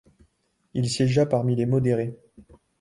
Il siégea parmi les modérés.